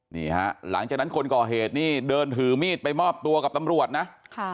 นี่ฮะหลังจากนั้นคนก่อเหตุนี่เดินถือมีดไปมอบตัวกับตำรวจนะ